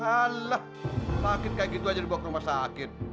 alah sakit kayak gitu aja dibawa ke rumah sakit